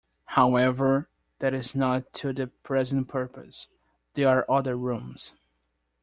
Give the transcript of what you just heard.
However, that is not to the present purpose — there are other rooms.